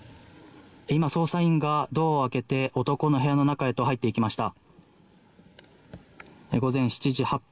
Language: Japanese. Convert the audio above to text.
今、捜査員がドアを開けて男の部屋の中へと入っていきました。